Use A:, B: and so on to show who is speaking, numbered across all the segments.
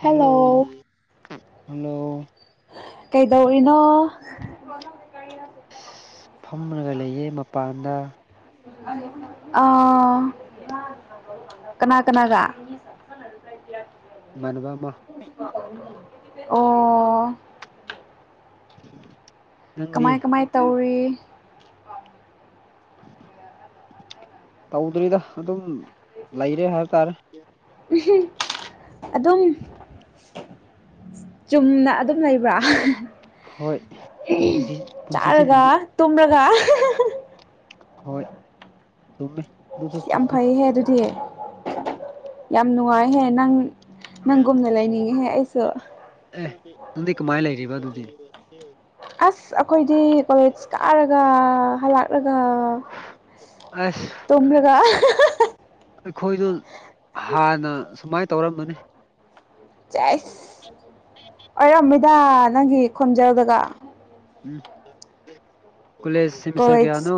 A: Hello hello
B: ꯀꯩꯗꯧꯔꯤꯅꯣ [inaudible]
A: ꯐꯝꯔꯒ ꯂꯩꯌꯦ ꯃꯄꯥꯟꯗ
B: ꯑ ꯀꯅꯥ ꯀꯅꯥꯒ [inaudible]
A: ꯢꯃꯥꯟꯅꯕ ꯑꯃ
B: ꯑꯣ.....
A: ꯅꯪꯗꯤ
B: ꯀꯃꯥꯏ ꯀꯃꯥꯏ ꯇꯧꯔꯤ
A: ꯇꯧꯗ꯭ꯔꯤꯗ ꯑꯗꯨꯝ ꯂꯩꯔꯦ ꯍꯥꯏꯕ ꯇꯥꯔꯦ
B: ꯑꯗꯨꯝ ꯆꯨꯝꯅ ꯑꯗꯨꯝ ꯂꯩꯕ꯭ꯔꯥ꯫
A: ꯍꯣꯏ ꯄꯨꯟꯁꯤ ꯄꯨꯟꯁꯤꯁꯦ
B: ꯆꯥꯔꯒ ꯇꯨꯝ꯭ꯔꯒ
A: ꯍꯣꯏ ꯆꯨꯝꯃꯦ ꯑꯗꯨꯁꯨ
B: ꯌꯥꯝ
A: ꯆꯨꯝꯃꯦ
B: ꯐꯩꯍꯦ ꯑꯗꯨꯗꯤ ꯌꯥꯝ ꯅꯨꯡꯉꯥꯏꯍꯦ ꯅꯪ ꯅꯪꯒꯨꯝꯅ ꯂꯩꯅꯤꯡꯉꯤꯍꯦ ꯑꯩꯁꯨ
A: ꯑꯦ ꯅꯪꯗꯤ ꯀꯃꯥꯏ ꯂꯩꯔꯤꯕ ꯑꯗꯨꯗꯤ
B: ꯑꯁ ꯑꯈꯣꯏꯗꯤ ꯀꯣꯂꯦꯖ ꯀꯥꯔꯒ ꯍꯜꯂꯛꯂꯒ
A: ꯑꯁ
B: ꯇꯨꯝꯃꯒ
A: ꯑꯩꯈꯣꯏꯗꯣ ꯍꯥꯟꯅ ꯁꯨꯃꯥꯏꯅ ꯇꯧꯔꯝꯕꯅꯦ
B: ꯁꯦꯁ ꯑꯣꯏꯔꯝꯃꯣꯏꯗꯥ ꯅꯪꯒꯤ ꯈꯣꯟꯖꯦꯜꯗꯒ
A: ꯎꯝ ꯀꯣꯂꯦꯖ
B: ꯀꯣꯂꯦꯖ
A: ꯁꯦꯃꯤꯁꯇꯔꯒꯤꯌꯥꯅꯣ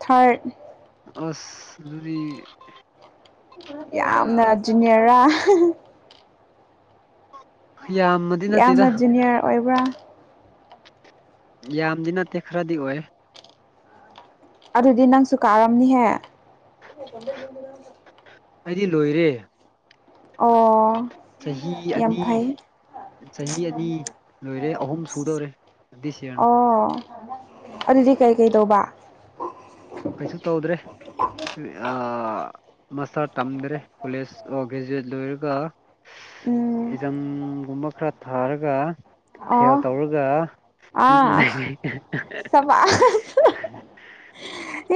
B: ꯊꯥꯔꯠ
A: ꯑꯁ ꯑꯗꯨꯗꯤ ꯗ
B: ꯌꯥꯝꯅ ꯖꯨꯅꯤꯌꯦꯔꯔꯥ
A: ꯌꯥꯝꯃꯗꯤ ꯅꯠꯇꯦꯗ
B: ꯌꯥꯝꯅ ꯖꯨꯅꯤꯌꯔ ꯑꯣꯏꯕ꯭ꯔꯥ
A: ꯌꯥꯝꯗꯤ ꯅꯠꯇꯦ ꯈꯔꯗꯤ ꯑꯣꯏꯌꯦ
B: ꯑꯗꯨꯗꯤ ꯅꯪꯁꯨ ꯀꯥꯔꯝꯅꯤꯍꯦ
A: ꯑꯩꯗꯤ ꯂꯣꯏꯔꯦ
B: ꯑꯣ
A: ꯆꯍꯤ
B: ꯌꯥꯝ
A: ꯑꯅꯤ
B: ꯐꯩ
A: ꯆꯍꯤ ꯑꯅꯤ ꯂꯣꯏꯔꯦ ꯑꯍꯨꯝ ꯁꯨꯗꯧꯔꯦ ꯗꯤꯁ ꯌꯔꯅ
B: ꯑꯣ ꯑꯗꯨꯗꯤ ꯀꯩꯀꯩ ꯇꯧꯕ
A: ꯀꯩꯁꯨ ꯇꯧꯗ꯭ꯔꯦ ꯑꯥ ꯃꯁꯥ ꯇꯝꯗ꯭ꯔꯦ ꯀꯣꯂꯦꯖ ꯑꯣ ꯒ꯭ꯔꯦꯖꯨꯋꯦꯠ ꯂꯣꯏꯔꯒ
B: ꯎꯝ
A: ꯑꯦꯖꯝꯒꯨꯝꯕ ꯈꯔ ꯊꯥꯔꯒ ꯐꯦꯜ
B: ꯑꯣ
A: ꯇꯧꯔꯒ ꯌꯨꯝꯗ
B: ꯑꯥ
A: ꯂꯩꯔꯤ
B: ꯊꯕꯛ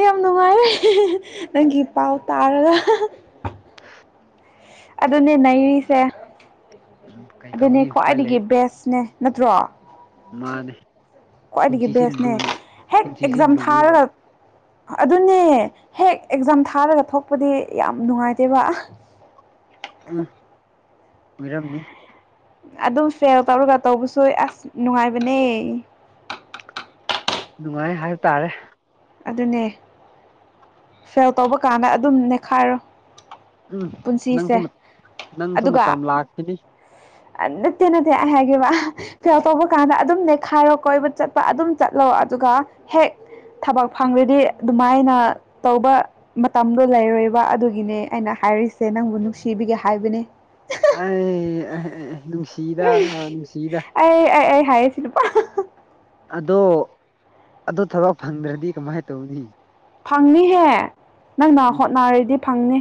B: ꯌꯥꯝ ꯅꯨꯡꯉꯥꯏꯔꯦ ꯅꯪꯒꯤ ꯄꯥꯎ ꯇꯥꯔꯒ ꯑꯗꯨꯅꯦ ꯅꯩꯔꯤꯁꯦ
A: ꯎꯝ ꯀꯩ
B: ꯑꯗꯨꯅꯦ
A: ꯇꯧꯅꯤ ꯎꯄꯥꯏ ꯂꯩ
B: ꯈ꯭ꯋꯥꯏꯗꯒꯤ ꯕꯦꯁꯅꯦ ꯅꯠꯇ꯭ꯔꯣ
A: ꯃꯥꯅꯦ
B: ꯈ꯭ꯋꯥꯏꯗꯒꯤ
A: ꯄꯨꯟꯁꯤꯁꯦ
B: ꯕꯦꯁꯅꯦ
A: ꯂꯨ
B: ꯍꯦꯛ
A: ꯄꯨꯟꯁꯤꯁꯦ
B: ꯑꯦꯛꯖꯥꯝ
A: ꯂꯨꯑꯦꯕ
B: ꯊꯥꯔꯒ ꯑꯗꯨꯅꯦ ꯍꯦꯛ ꯑꯦꯛꯖꯥꯝ ꯊꯥꯔꯒ ꯊꯣꯛꯄꯗꯤ ꯌꯥꯝ ꯅꯨꯡꯉꯥꯏꯇꯦꯕ ꯑ
A: ꯎꯝ ꯑꯣꯏꯔꯝꯅꯤ
B: ꯑꯗꯨꯝ ꯐꯦꯜ ꯇꯧꯔꯒ ꯇꯧꯕꯁꯨ ꯑꯁ ꯅꯨꯡꯉꯥꯏꯕꯅꯦ
A: ꯅꯨꯡꯉꯥꯏ ꯍꯥꯏꯕ ꯇꯥꯔꯦ
B: ꯑꯗꯨꯅꯦ ꯐꯦꯜ ꯇꯧꯕ ꯀꯥꯟꯗ ꯑꯗꯨꯝ ꯅꯦꯛꯈꯥꯏꯔꯣ
A: ꯎꯝ ꯅꯪꯁꯨ
B: ꯄꯨꯟꯁꯤꯁꯦ
A: ꯅꯪꯁꯨ ꯃꯇꯝ ꯂꯥꯛꯈꯤꯅꯤ
B: ꯅꯠꯠꯇꯦ ꯅꯠꯇꯦ ꯑꯩ ꯍꯥꯏꯒꯦꯕ ꯐꯦꯜ ꯇꯧꯕ ꯀꯥꯟꯗ ꯑꯗꯨꯝ ꯅꯩꯈꯥꯏꯔꯣ ꯀꯣꯏꯕ ꯆꯠꯄ ꯑꯗꯨꯝ ꯆꯠꯂꯣ ꯑꯗꯨꯒ ꯍꯦꯛ ꯊꯕꯛ ꯐꯪꯗ꯭ꯔꯗꯤ ꯑꯗꯨꯃꯥꯏꯅ ꯇꯧꯕ ꯃꯇꯝꯗꯣ ꯂꯩꯔꯣꯏꯕ ꯑꯗꯨꯒꯤꯅꯦ ꯑꯩꯅ ꯍꯥꯏꯔꯤꯁꯦ ꯅꯪꯕꯨ ꯅꯨꯡꯁꯤꯕꯤꯒꯦ ꯍꯥꯏꯕꯅꯦ
A: ꯑꯩ ꯑꯦ ꯅꯨꯡꯁꯤꯗ ꯅꯨꯡꯁꯤꯗ꯫
B: ꯑꯩ ꯑꯩ ꯑꯩ ꯍꯥꯏꯁꯤ ꯅꯨꯄꯥ
A: ꯑꯗꯣ ꯑꯗꯣ ꯊꯕꯛ ꯐꯪꯗ꯭ꯔꯗꯤ ꯀꯃꯥꯏꯅ ꯇꯧꯅꯤ
B: ꯐꯪꯅꯤꯍꯦ ꯅꯪꯅ
A: ꯎꯝ
B: ꯍꯣꯠꯅꯔꯗꯤ ꯐꯪꯅꯤ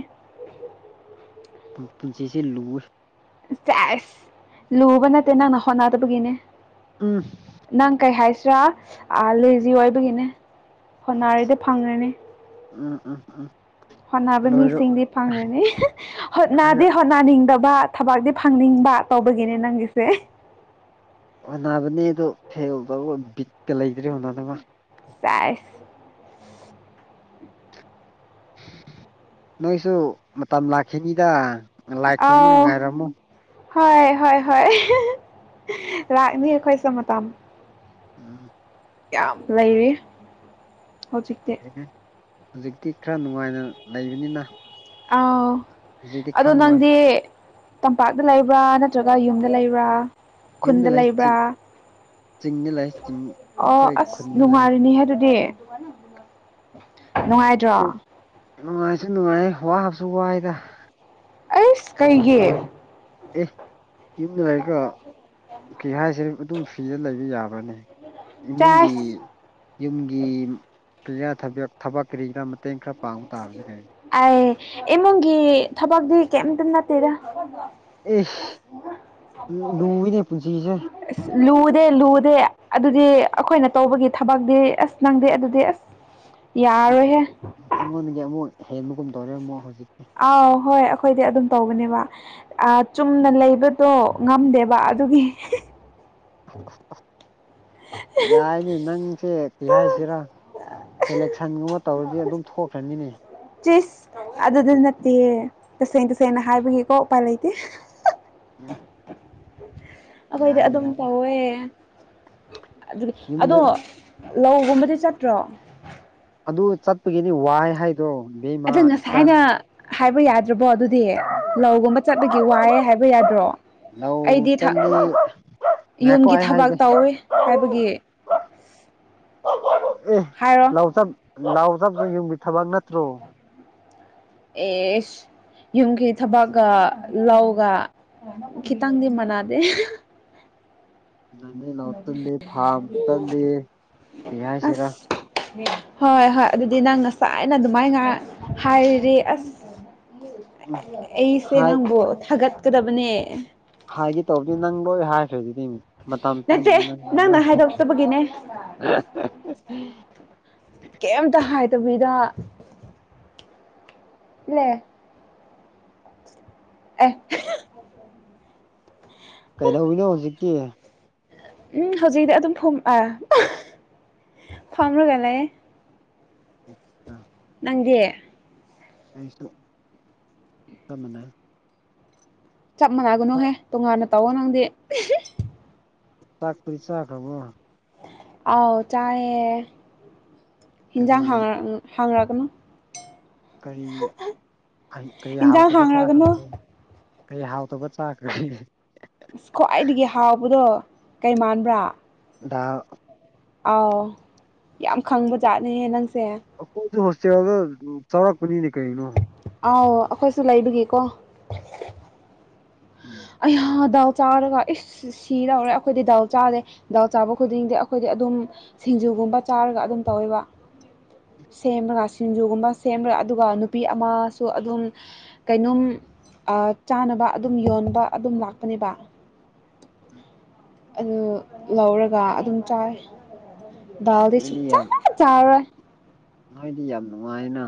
A: ꯄꯨꯟꯁꯤꯁꯦ ꯂꯨꯏ
B: ꯆꯁ ꯂꯨꯕ ꯅꯠꯇꯦ ꯅꯪꯅ ꯍꯣꯠꯅꯗꯕꯒꯤꯅꯦ
A: ꯎꯝ
B: ꯅꯪ ꯀꯩ ꯍꯥꯏꯁꯤꯔꯥ ꯂꯦꯖꯤ ꯑꯣꯏꯕꯒꯤꯅꯦ ꯍꯣꯟꯅꯔꯤꯗꯤ ꯐꯪꯅꯤ
A: ꯎꯝ ꯎꯝ ꯎꯝ
B: ꯍꯣꯠꯅꯕ
A: ꯂꯣꯏꯔꯣ
B: ꯃꯤꯁꯤꯡꯗꯤ ꯐꯪꯗ꯭ꯔꯅꯤ
A: ꯍꯥꯏꯔ
B: ꯍꯣꯠꯅꯗꯤ ꯍꯣꯠꯅꯅꯤꯡꯗꯕ ꯊꯕꯛꯇꯤ ꯐꯪꯅꯤꯡꯕ ꯇꯧꯕꯒꯤꯅꯦ ꯅꯪꯒꯤꯁꯦ
A: ꯍꯣꯠꯅꯕꯅꯦ ꯑꯗꯣ ꯐꯦꯜ ꯇ ꯕꯤꯠꯀ ꯂꯩꯗ꯭ꯔꯦ ꯍꯣꯠꯅꯅꯕ
B: ꯆꯥꯏ
A: ꯅꯣꯏꯁꯨ ꯃꯇꯝ ꯂꯥꯛꯈꯤꯅꯤꯗ ꯂꯥꯏ ꯈꯨꯔꯨꯝꯃꯒ
B: ꯑꯥꯎ
A: ꯉꯥꯏꯔꯝꯃꯨ
B: ꯍꯣꯏ ꯍꯣꯏ ꯂꯥꯛꯅꯤ ꯑꯈꯣꯏꯁꯨ ꯃꯇꯝ꯫
A: [unintelligible]
B: ꯌꯥꯝ ꯂꯩꯔꯤ ꯍꯧꯖꯤꯛꯇꯤ꯫
A: ꯍꯧꯖꯤꯛꯇꯤ ꯈꯔ ꯅꯨꯡꯉꯥꯏꯅ ꯂꯩꯕꯅꯤꯅ꯫
B: ꯑꯧ
A: ꯍꯧꯖꯤꯛꯇꯤ
B: ꯑꯗꯣ
A: ꯈꯪꯉꯣꯏ
B: ꯅꯪꯗꯤ꯫ ꯇꯝꯄꯥꯛꯇ ꯂꯩꯕ꯭ꯔꯥ ꯅꯠꯇ꯭ꯔꯒ ꯌꯨꯝꯗ ꯂꯩꯕ꯭ꯔꯥ
A: ꯌꯨꯝꯗ
B: ꯈꯨꯟꯗ
A: ꯂꯩ
B: ꯂꯩꯕ꯭ꯔꯥ꯫
A: ꯆꯤꯡ ꯆꯤꯡꯗ ꯂꯩ ꯆꯤꯡ
B: ꯑꯣ
A: ꯑꯩꯈꯣꯏ
B: ꯑꯁ
A: ꯈꯨꯟꯗ ꯂꯩ
B: ꯅꯨꯡꯉꯥꯏꯔꯅꯤꯍꯦ ꯑꯗꯨꯗꯤ꯫ ꯅꯨꯡꯉꯥꯏꯇꯔꯣ꯫
A: ꯅꯨꯡꯉꯥꯏꯁꯨ ꯅꯨꯡꯉꯥꯏꯌꯦ ꯋꯥꯕꯁꯨ ꯋꯥꯏꯗ꯫
B: ꯑꯩꯁ ꯀꯩꯒꯤ
A: ꯑꯦ ꯌꯨꯝꯗ ꯂꯩꯒꯔ ꯀꯩ ꯍꯥꯏꯁꯦ ꯑꯗꯨꯝ ꯁꯤꯗ ꯂꯩꯕ ꯌꯥꯕ꯭ꯔꯅꯦ ꯏꯃꯨꯡꯒꯤ
B: ꯆꯦꯁ
A: ꯌꯨꯝꯒꯤ ꯀ ꯊꯕ ꯊꯕꯛ ꯀꯔꯤꯗꯔ ꯃꯇꯦꯡ ꯈꯔ ꯄꯥꯡꯕ ꯇꯥꯕꯅꯤ ꯀꯩꯅꯣ
B: ꯑꯩ ꯏꯃꯨꯡꯒꯤ ꯊꯕꯛꯇꯗꯤ ꯀꯩꯝꯇ ꯅꯠꯇꯦꯗ
A: ꯑꯁ ꯂꯨꯏꯅꯦ ꯄꯨꯟꯁꯤꯁꯦ
B: ꯑꯁ ꯂꯨꯗꯦ ꯂꯨꯗꯦ ꯑꯗꯨꯗꯤ ꯑꯩꯈꯣꯏꯅ ꯇꯧꯕꯒꯤ ꯊꯕꯛꯇꯤ ꯑꯁ ꯅꯪꯗꯤ ꯑꯗꯨꯗꯤ ꯑꯁ [inaudible]
A: ꯑ ꯑꯩꯉꯣꯟꯗꯒꯤ ꯑꯃꯨꯛ ꯍꯦꯟꯕꯒꯨꯝ ꯇꯧꯔꯦ ꯑꯃꯨꯛ ꯍꯧꯖꯤꯛꯇꯤ
B: ꯑꯥꯎ ꯍꯣꯏ ꯑꯩꯈꯣꯏꯗꯤ ꯑꯗꯨꯝ ꯇꯧꯕꯅꯦꯕ꯫ ꯑꯥ ꯆꯨꯝꯅ ꯂꯩꯕꯗꯣ ꯉꯝꯗꯦꯕ ꯑꯗꯨꯒꯤ꯫
A: ꯌꯥꯏꯅꯦ ꯅꯪꯁꯦ ꯀꯔꯤ ꯍꯥꯏꯁꯤꯔ꯫ ꯁꯦꯂꯦꯛꯁꯟꯒꯨꯝꯕ ꯇꯧꯔꯗꯤ ꯑꯗꯨꯝ ꯊꯣꯛꯈ꯭ꯔꯅꯤꯅꯦ꯫
B: ꯆꯤꯁ ꯑꯗꯨꯗꯤ ꯅꯠꯇꯦꯌꯦ ꯇꯁꯦꯡ ꯇꯁꯦꯡꯅ ꯍꯥꯏꯕꯒꯤꯀꯣ ꯎꯄꯥꯏ ꯂꯩꯇꯦ꯫
A: [unintelligible]
B: ꯑꯗꯣ ꯑꯩꯗꯤ
A: ꯌꯥꯏ
B: ꯑꯗꯨꯝ
A: ꯌꯥꯏ
B: ꯇꯧꯋꯦ ꯑꯗꯨꯒꯤ ꯑꯗꯣ꯫
A: ꯌꯨꯝꯗ
B: ꯂꯧꯒꯨꯝꯕꯗꯤ ꯆꯠꯇ꯭ꯔꯣ꯫
A: ꯑꯗꯨ ꯆꯠꯄꯒꯤꯅꯤ ꯋꯥꯏ ꯍꯥꯏꯗꯣ꯫ ꯏꯕꯦꯝꯃ
B: ꯑꯗꯨ
A: ꯏꯆꯥꯟ
B: ꯉꯁꯥꯏꯅ ꯍꯥꯏꯕ ꯌꯥ ꯗꯔꯕꯣ ꯑꯗꯨꯗꯤ ꯂꯧꯒꯨꯝꯕ ꯆꯠꯄꯒꯤ ꯋꯥꯏꯌꯦ ꯍꯥꯏꯕ ꯌꯥꯗ꯭ꯔꯣ꯫
A: ꯂꯧ
B: ꯑꯩꯗꯤ
A: ꯆꯪꯅꯤ ꯉꯥꯏꯈꯣ
B: ꯌꯨꯝꯒꯤ
A: ꯑꯩ
B: ꯊꯕꯛ
A: ꯍꯥꯏꯒꯦ꯫
B: ꯇꯧꯋꯤ ꯍꯥꯏꯕꯒꯤ
A: ꯑꯦ
B: ꯍꯥꯏꯔꯣ
A: ꯂꯧꯆꯞ ꯂꯧꯆꯠꯄꯁꯤ ꯌꯨꯝꯒꯤ ꯊꯕꯛ ꯅꯠꯇ꯭ꯔꯣ꯫
B: ꯑꯦꯁ ꯌꯨꯝꯒꯤ ꯊꯕꯛꯀ ꯂꯧꯒ꯫ ꯈꯤꯇꯪꯗꯤ ꯃꯅꯥꯗꯦ꯫
A: ꯅꯅꯦ ꯂꯧ ꯇꯟꯗꯦ ꯐꯥꯝ ꯇꯟꯗꯦ ꯀꯩ ꯍꯥꯏꯁꯤꯔ꯫
B: ꯑꯁ ꯍꯣꯏ ꯍꯣꯏ ꯑꯗꯨꯗꯤ ꯅꯪ ꯉꯁꯥꯏꯅ ꯑꯗꯨꯃꯥꯏꯅ ꯍꯥꯏꯔꯤ ꯑꯁ꯫
A: ꯎꯝ
B: ꯑꯩꯁꯦ
A: ꯍꯥꯏ
B: ꯅꯪꯕꯨ ꯊꯥꯒꯠꯀꯗꯕꯅꯦ꯫
A: ꯍꯥꯏꯒꯦ ꯇꯧꯕꯗꯤ ꯅꯪ ꯂꯣꯏ ꯍꯥꯏꯈ꯭ꯔꯦ ꯑꯗꯨꯗꯤ ꯃꯇꯝ
B: ꯅꯠꯇꯦ
A: ꯄꯤꯕ ꯅꯪꯗꯦ ꯅꯪ
B: ꯅꯪꯅ
A: ꯂꯣꯏ ꯍꯥꯏꯈ꯭ꯔꯦ꯫꯫
B: ꯍꯥꯏꯗꯣꯛꯇꯕꯒꯤꯅꯦ
A: [unintelligible]
B: ꯀꯩꯝꯇ ꯍꯥꯏꯗꯕꯤꯗ꯫ ꯂꯦ ꯑꯦ꯫
A: ꯀꯩꯩꯗꯧꯔꯤꯅꯣ ꯍꯧꯖꯤꯛꯀꯤ꯫
B: ꯎꯝ ꯍꯧꯖꯤꯛꯗꯤ ꯑꯗꯨꯝ ꯐꯝ ꯑꯥ ꯐꯝꯔꯒ ꯂꯩꯌꯦ꯫
A: [unintelligible]
B: ꯅꯪꯗꯤ꯫
A: ꯑꯩꯁꯨ ꯆꯞ ꯃꯅꯩꯌꯦ꯫
B: ꯆꯞ ꯃꯥꯟꯅꯒꯅꯨꯍꯦ ꯇꯣꯉꯥꯟꯅ ꯇꯧꯋꯣ ꯅꯪꯗꯤ꯫
A: ꯆꯥꯛꯇꯨꯗꯤ ꯆꯥꯛꯈꯔꯕꯣ꯫
B: ꯑꯥꯎ ꯆꯥꯏꯌꯦ
A: ꯀꯔꯤ
B: ꯍꯤꯟꯖꯥꯡ ꯍꯪꯉꯛꯒꯅꯨ꯫
A: ꯀꯔꯤ ꯀꯔꯤ
B: ꯏꯟꯖꯥꯡ
A: ꯍꯥꯎꯇꯕ
B: ꯍꯥꯡꯔꯒꯅꯨ
A: ꯆꯥꯒꯔꯒꯦ꯫ ꯀꯩ ꯍꯥꯎꯇꯕ ꯆꯥꯈ꯭ꯔꯒꯦ
B: ꯑꯁ ꯈ꯭ꯋꯥꯏꯗꯒꯤ ꯍꯥꯎꯕꯗꯣ ꯀꯩ ꯃꯥꯟꯕ꯭ꯔꯥ
A: ꯗꯥꯜ
B: ꯑꯥꯎ ꯌꯥꯝ ꯈꯪꯕꯖꯥꯠꯅꯦꯍꯦ ꯅꯪꯁꯦ
A: ꯑꯩꯈꯣꯏꯁꯨ ꯍꯣꯁꯇꯦꯜꯗ ꯆꯥꯎꯔꯛꯄꯅꯤꯅꯦ ꯀꯩꯅꯣ
B: ꯑꯥꯎ ꯑꯩꯈꯣꯏꯁꯨ ꯂꯩꯕꯒꯤꯀꯣ
A: ꯎꯝ
B: ꯑꯩꯍꯥ ꯗꯥꯜ ꯆꯥꯔꯒ ꯏꯁ ꯁꯤ ꯁꯤꯗꯧꯔꯦ ꯑꯩꯈꯣꯏꯗꯤ ꯗꯥꯜ ꯆꯥꯗꯦ ꯗꯥꯜ ꯆꯥꯕ ꯈꯨꯗꯤꯡꯗꯤ ꯑꯩꯈꯣꯏꯗꯤ ꯑꯗꯨꯝ ꯁꯤꯡꯖꯨꯒꯨꯝꯕ ꯆꯥꯔꯒ ꯑꯗꯨꯝ ꯇꯧꯋꯦꯕ ꯁꯦꯝꯃꯒ ꯁꯤꯡꯖꯨꯒꯨꯝꯕ ꯁꯦꯝꯕ꯭ꯔꯒ ꯑꯗꯨꯒ ꯅꯨꯄꯤ ꯑꯃꯁꯨ ꯑꯗꯨꯝ ꯀꯩꯅꯣꯝ ꯑꯥ ꯆꯥꯅꯕ ꯑꯗꯨꯝ ꯌꯣꯟꯕ ꯑꯗꯨꯝ ꯂꯥꯛꯄꯅꯦꯕ꯫
A: [unintelligible]
B: ꯑꯗꯨ ꯂꯧꯔꯒ ꯑꯗꯨꯝ ꯆꯥꯏ ꯗꯥꯜꯗꯤ
A: ꯅꯣꯏꯗꯤ
B: ꯁꯨꯡꯆꯥ
A: ꯌꯥꯝ
B: ꯆꯥꯔꯣꯏ꯫
A: ꯅꯣꯏꯗꯤ ꯌꯥꯝ ꯅꯨꯡꯉꯥꯏꯅ꯫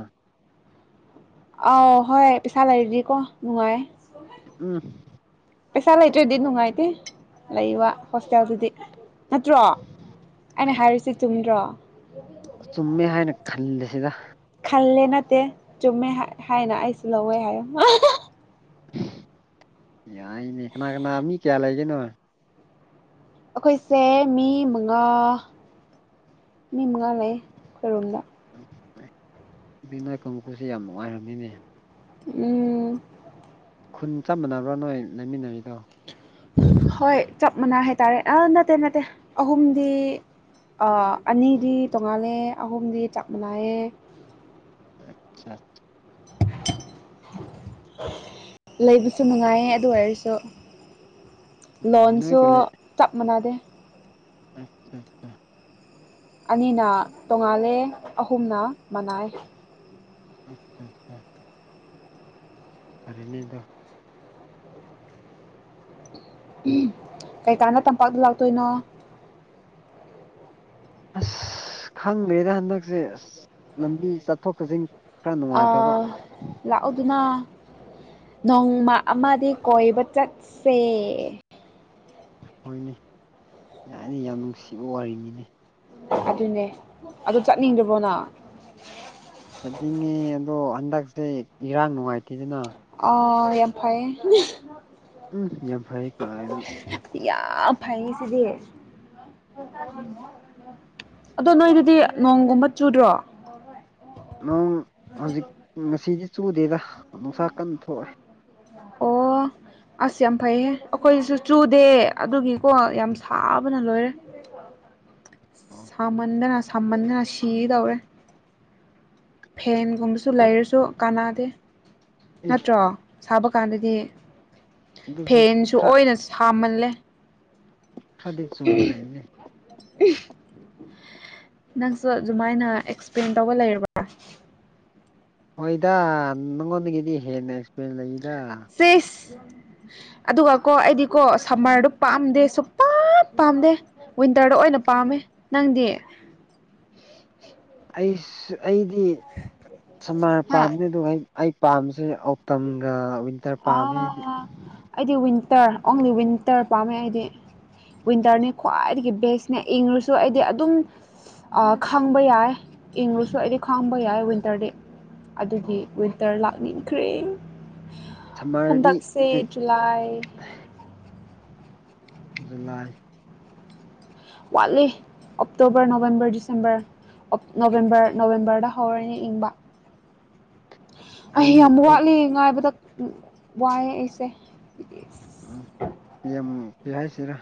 B: ꯑꯥꯎ ꯍꯣꯏ ꯄꯩꯁꯥ ꯂꯩꯔꯗꯤꯀꯣ ꯅꯨꯡꯉꯥꯏꯌꯦ꯫
A: ꯎꯝ꯫
B: ꯄꯩꯁꯥ ꯂꯩꯇ꯭ꯔꯗꯤ ꯅꯨꯡꯉꯥꯏꯇꯦ ꯂꯩꯕ ꯍꯣꯁꯇꯦꯜꯗꯨꯗꯤ꯫ ꯅꯠꯇ꯭ꯔꯣ ꯑꯩꯅ ꯍꯥꯏꯔꯤꯁꯤ ꯆꯨꯝꯗ꯭ꯔꯣ꯫
A: ꯆꯨꯝꯃꯦ ꯍꯥꯏꯅ ꯈꯜꯂꯦ ꯁꯤꯗ꯫
B: ꯈꯜꯂꯦ ꯅꯠꯇꯦ ꯆꯨꯝꯃꯦ ꯍꯥꯏꯅ ꯑꯩꯁꯨ ꯂꯧꯋꯦ ꯍꯥꯏꯌꯨ꯫
A: ꯌꯥꯏꯅꯦ ꯀꯅꯥ-ꯀꯅꯥ ꯃꯤ ꯀꯌꯥ ꯂꯩꯒꯦꯅꯣꯏ
B: ꯑꯩꯈꯣꯏꯁꯦ ꯃꯤ ꯃꯉꯥ ꯃꯤ ꯃꯉꯥ ꯂꯩ ꯑꯩꯈꯣꯏ ꯔꯣꯝꯗ
A: [unintelligible] ꯕꯤꯅꫭꯏ ꯀꯥꯡꯕꯨꯨꯁꯦ ꯌꯥꯝ ꯅꯨꯡꯉꯥꯏꯔꯃꯤꯅꯦ
B: ꯎꯝ
A: ꯈꯨꯟ ꯆꯞ ꯃꯅꯕ꯭ꯔꯥ ꯅꯣꯏ ꯂꯩꯃꯤꯟꯅꯔꯤꯗꯣ
B: ꯍꯣꯏ ꯆꯞ ꯃꯥꯟꯅ ꯍꯥꯏꯇꯥꯔꯦ ꯑꯥ ꯅꯠꯇꯦ ꯅꯠꯇꯦ ꯑꯍꯨꯝꯗꯤ ꯑ ꯑꯅꯤꯗꯤ ꯇꯣꯉꯥꯜꯂꯦ ꯑꯍꯨꯝꯗꯤ ꯆꯥꯞ ꯃꯅꯥꯏꯑꯦ
A: ꯑꯆꯥ
B: [inaudible] ꯂꯩꯕꯁꯨ ꯅꯨꯡꯉꯥꯏꯌꯦ ꯑꯗꯨ ꯑꯣꯏꯔꯁꯨ
A: ꯅꯣꯏ
B: ꯂꯣꯟꯁꯨ
A: ꯀꯣꯂꯦ
B: ꯆꯞ ꯃꯥꯟꯅꯗꯦ
A: [inaudible]
B: ꯑꯅꯤꯅ ꯇꯣꯉꯥꯜꯂꯦ ꯑꯍꯨꯝꯅ ꯃꯅꯥꯏ
A: [unintelligible] ꯐꯔꯦꯅꯦ ꯑꯗꫭ
B: ꯀꯩꯀꯥꯅ ꯇꯝꯄꯥꯛꯇ ꯂꯥꯛꯇꯣꯏꯅꯣ
A: ꯑꯁ ꯈꯪꯗꯦꯗ ꯍꯟꯗꯛꯁꯦ ꯑꯁ ꯂꯝꯕꯤ ꯆꯠꯊꯣꯛ ꯆꯠꯁꯤꯟ ꯈꯔ ꯅꯨꯡꯉꯥꯏꯇꯕ
B: ꯑꯥ ꯂꯥꯛꯎꯗꯨꯅ ꯅꯣꯡꯃ ꯑꯃꯗꯤ ꯀꯣꯏꯕ ꯆꯠꯁꯦ
A: ꯍꯣꯏꯅꯦ ꯌꯥꯅꯤ ꯌꯥꯝ ꯅꯨꯡꯁꯤꯕ ꯋꯥꯔꯤꯅꯤꯅꯦ
B: ꯑꯗꯨꯅꯦ ꯑꯗꯨ ꯆꯠꯅꯤꯡꯗ꯭ꯔꯕꯣꯅ
A: ꯆꯠꯅꯤꯡꯉꯤ ꯑꯗꯣ ꯍꯟꯗꯛꯁꯦ ꯏꯔꯥꯡ ꯅꯨꯡꯉꯥꯏꯇꯦꯗꯅ
B: ꯑꫭ ꯌꯥꯝ ꯐꯩ
A: ꯎꯝ ꯌꯥꯝ ꯐꯩ ꯀꯥꯏꯅ
B: ꯌꯥꯝ ꯐꯩꯁꯤꯗꯤ ꯑꯗꯣ ꯅꯣꯏꯗꯨꯗꯤ ꯅꯣꯡꯒꯨꯝꯕ ꯆꯨꯗ꯭ꯔꯣ
A: ꯅꯣꯡ ꯍꯧꯖꯤꯛ ꯉꯁꯤꯗꯤ ꯆꯨꯗꯦꯗ ꯅꯨꯡꯁꯥ ꯀꯟꯅ ꯊꯣꯛꯑꯦ
B: ꯑꯣ ꯑꯁ ꯌꯥꯝ ꯐꯩꯌꯦ ꯑꯩꯈꯣꯏꯁꯨ ꯆꯨꯗꯦ ꯑꯗꯨꯒꯤꯀꯣ ꯌꯥꯝ ꯁꯥꯕꯅ ꯂꯣꯏꯔꯦ ꯁꯥꯝꯃꯟꯗꯅ ꯁꯥꯝꯃꯟꯗꯅ ꯁꯤ ꯇꯧꯔꯦ ꯐꯦꯟꯒꯨꯝꯕꯁꯨ ꯂꯩꯔꯁꯨ ꯀꯥꯟꯅꯥꯗꯦ
A: ꯑꯦ
B: ꯅꯠꯇ꯭ꯔꯣ ꯁꯥꯕ ꯀꯥꯟꯗꯗꯤ
A: ꯑꯗꯨꯁꯨ
B: ꯐꯦꯟꯁꯨ
A: ꯈꯔ
B: ꯑꯣꯏꯅ ꯍꯥꯃꯜꯂꯦ
A: ꯈꯔꯗꯤ ꯆꯨꯝꯕ ꯂꯩꯕꯅꯦ
B: ꯅꯪꯁꯨ ꯑꯗꯨꯃꯥꯏꯅ ꯑꯦꯛꯁꯄ꯭ꯂꯦꯟ ꯇꯧꯕ ꯂꯩꯔꯕ꯭ꯔꯥ
A: ꯍꯣꯏꯗ ꯅꯪꯉꯣꯟꯗꯒꯤꯗꯤ ꯍꯦꯟꯅ ꯑꯦꯛꯁꯄꯔꯦꯟꯁ ꯂꯩꯌꯦꯗ
B: ꯁꯤꯁ ꯑꯗꯨꯒ ꯀꯣ ꯑꯩꯗꯤꯀꯣ ꯁꯝꯃꯔꯗꯨ ꯄꯥꯝꯗꯦ ꯁꯨꯄꯞ ꯄꯥꯝꯗꯦ ꯋꯤꯟꯇꯔꯗ ꯑꯣꯏꯅ ꯄꯥꯝꯃꯦ ꯅꯪꯗꯤ
A: ꯑꯩ ꯑꯩꯗꯤ ꯁꯃꯥꯔ
B: ꯍꯥ
A: ꯄꯥꯝꯗ ꯑꯗꯨꯒ ꯑꯩ ꯄꯥꯝꯝꯕꯁꯦ ꯃꯇꯝꯒ ꯋꯤꯟꯇꯔ ꯄꯥꯝꯃꯦ
B: ꯑꯥ ꯑꯩꯗꯤ ꯋꯤꯟꯇꯔ ꯑꯣꯡꯂꯤ ꯋꯤꯟꯇꯔ ꯄꯥꯝꯃꯦ ꯑꯩꯗꯤ ꯋꯤꯟꯇꯔꯅꯦ ꯈ꯭ꯋꯥꯏꯗꯒꯤ ꯕꯦꯁꯅꯦ ꯏꯪꯉꯁꯨ ꯑꯩꯗꯤ ꯑꯗꯨꯝ ꯈꯪꯕ ꯌꯥꯏ ꯏꯪꯕꯁꯨ ꯑꯩꯗꯤ ꯈꯥꯡꯕ ꯌꯥꯏ ꯋꯤꯟꯇꯔꯗꯤ
A: ꯑꯣ
B: ꯑꯗꯨꯗꯤ ꯋꯤꯟꯇꯔ ꯂꯥꯛꯅꯤꯡꯈ꯭ꯔꯦ
A: ꯁꯝꯃꯔꯗꯤ
B: ꯍꯟꯗꯛ ꯁꯤ ꯖꯨꯂꯥꯏ
A: ꯖꯂꯥꯏ
B: ꯋꯥꯠꯂꯤ ꯑꯣꯛꯇꯛꯇꯣꯕꯔ ꯅꯕꯦꯝꯕꯔ ꯗꯤꯁꯦꯝꯕꯔ ꯅꯣꯕꯦꯝꯕꯔ ꯅꯣꯕꯦꯝꯕꯔꯗ ꯍꯧꯔꯅꯦ ꯏꯪꯕ ꯑꯩ ꯌꯥꯝ ꯋꯥꯠꯂꯦ ꯉꯥꯏꯕꯗ ꯋꯥꯏꯑꯦ ꯑꯩꯁꯦ
A: ꯎꯝ ꯌꯦꯡꯕꯤꯤ ꯍꯥꯏꯁꯤꯔꯥ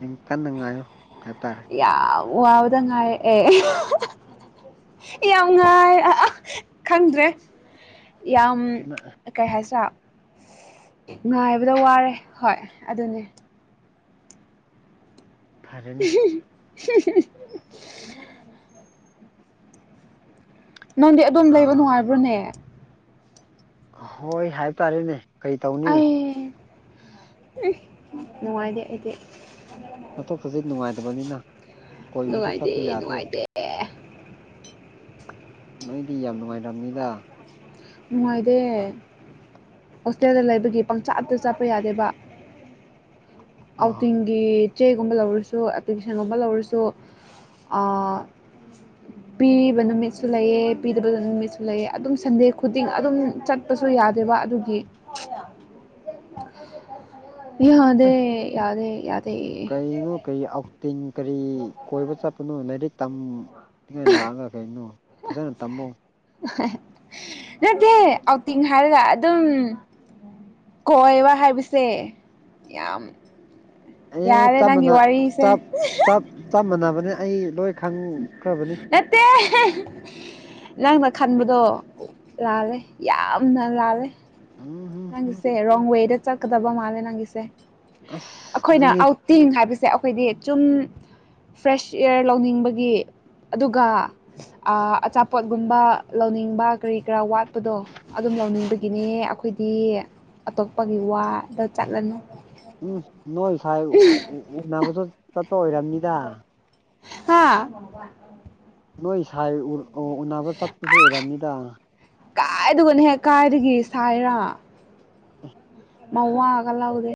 A: ꯌꯥꯝ ꯀꯟꯅ ꯉꯥꯏꯌꯨ ꯍꯥꯏꯇꯥꯔꯦ [unintelligible]
B: ꯌꯥꯝ ꯋꯥꯕꯗ ꯉꯥꯏ ꯑꯦ ꯌꯥꯝ ꯉꯥꯏ ꯈꯪꯗ꯭ꯔꯦ ꯌꯥꯝ ꯀꯩ ꯍꯥꯏꯁꯤꯔꯥ ꯉꯥꯏꯕꯗ ꯋꯥꯔꯦ ꯍꯣꯏ ꯑꯗꯨꯅꯦ
A: ꯐꯔꯦꯅꯦ
B: [inaudible] ꯅꯪꯗꯤ ꯑꯗꯨꯣꯝ ꯂꯩꯕ
A: ꯑꯥ
B: ꯅꯨꯡꯉꯥꯏꯕ꯭ꯔꯣꯅꯦ
A: ꯍꯣꯏ ꯍꯥꯏꯇꯥꯔꯦꯅꯦ
B: ꯑꯩ ꯅꯨꯡꯉꯥꯏꯇꯦ ꯑꯩꯗꯤ
A: ꯆꯠꯊꯣꯛ ꯆꯠꯁꯤꯟ ꯅꯨꯡꯉꯥꯏꯇꯕꯅꯤꯅ ꯀꯣꯏꯕꯁꯨ
B: ꯅꯨꯡꯉꯥꯏꯇꯦ
A: ꯆꯠꯄ ꯌꯥꯗꯦ
B: ꯅꯨꯡꯉꯥꯏꯇꯦ
A: ꯅꯣꯏꯗꯤ ꯌꯥꯝ ꯅꯨꯡꯉꯥꯏꯔꯝꯅꯤꯗ
B: ꯅꯨꯡꯉꯥꯏꯗꯦ ꯍꯣꯁꯇꯦꯜꯗ ꯂꯩꯕꯒꯤ ꯄꯪꯆꯥꯇ ꯆꯠꯄ ꯌꯥꯗꯦꯕ
A: ꯑꯥ
B: ꯑꯥꯎꯇꯤꯡ ꯆꯦꯒꯨꯝꯕ ꯂꯧꯔꯁꯨ ꯑꯦꯄ꯭ꯂꯤꯀꯦꯁꯟꯒꯨꯝꯕ ꯂꯧꯔꯁꯨ ꯄꯤꯕ ꯅꯨꯃꯤꯠꯁꯨ ꯂꯩꯑ ꯄꯤꯗꯕꯗ ꯅꯨꯃꯤꯠꯁꯨ ꯂꯩꯑ ꯑꯗꯨꯝ ꯁꯟꯗꯦ ꯈꯨꯗꯤꯡ ꯑꯗꯨꯝ ꯆꯠꯄꯁꯨ ꯌꯥꯗꯦꯕ ꯑꯗꯨꯒꯤ ꯌꯦ ꯌꯥꯗ ꯌꯥꯗꯦ ꯌꯥꯗ
A: ꯀꯔꯤꯅꯣ ꯀꯔꯤ ꯑꯥꯎꯇꯤꯡ ꯀꯔꯤ ꯀꯣꯏꯕ ꯆꯠꯄꯅꯣ ꯂꯥꯏꯔꯤꯛ ꯇꯝ ꯇꯉꯥꯏꯅ ꯂꯥꯛꯑꯒ ꯀꯩꯅꯣ ꯐꯖꯅ ꯇꯝꯃꯨ
B: ꯅꯠꯇꯦ ꯑꯥꯎꯇꯤꯡ ꯍꯥꯏꯔꯒ ꯑꯗꯨꯝ ꯀꯣꯏꯕ ꯍꯥꯏꯕꯁꯦ ꯌꯥꯝ
A: ꯑꯦꯞ
B: ꯌꯥꯔꯦ ꯅꯪꯒꯤ ꯋꯥꯔꯤꯁꯦ
A: ꯆꯞ ꯃꯥꯟꯅꯕꯅꯦ ꯑꯩ ꯂꯣꯏ ꯈꯪꯈ꯭ꯔꯕꯅꯤ
B: ꯍ ꯅꯪꯅ ꯈꯟꯕꯗꯣ ꯂꯥꯜꯂꯦ ꯌꯥꯝꯅ ꯂꯥꯜꯂꯦ
A: ꯎꯝ ꯎꯝ
B: ꯅꯪꯒꯤꯁꯦ ꯔꯣꯡ ꯋꯦꯗ ꯆꯠꯀꯗꯕ ꯃꯥꯜꯂꯦ ꯅꯪꯒꯤꯁꯦ
A: ꯑꯁ
B: ꯑꯩꯈꯣꯏꯅ
A: ꯑꯗꯨꯅꯤ
B: ꯇꯦꯡ ꯍꯥꯏꯕꯁꯦ ꯑꯩꯈꯣꯏꯗꯤ ꯆꯨꯝ ꯐ꯭ꯔꯦꯁ ꯏꯌꯥꯔ ꯂꯧꯅꯤꯡꯕꯒꯤ ꯑꯗꯨꯒ ꯑꯆꯥꯄꯣꯠꯒꯨꯝꯕ ꯂꯧꯅꯤꯡꯕ ꯀꯔꯤ ꯀꯔꯥ ꯋꯥꯠꯄꯗꯣ ꯑꯗꯨꯝ ꯂꯧꯅꯤꯡꯕꯒꯤꯅꯦ ꯑꯩꯈꯣꯏꯗꯤ ꯑꯇꯣꯞꯄꯒꯤ ꯋꯥꯗ ꯆꯠꯂꯅꯨ
A: ꯎꯝ ꯅꯣꯏ ꯁꯥꯏ ꯎꯅꯕꯁꯨ ꯆꯠꯄ ꯑꯣꯏꯔꯝꯅꯤꯗ
B: ꯍꯥꯥ
A: ꯅꯣꯏ ꯁꯥꯏ ꯎꯅꯕ ꯆꯠꯄꯁꯨ ꯑꯣꯏꯔꯝꯅꯤꯗ
B: ꯀꯥꯏꯗꯒꯅ ꯍꯦꯛ ꯀꯥꯏꯗꯒꯤ ꯁꯥꯏꯔꯥ ꯃꯥꯋꯥꯒ [unintelligible]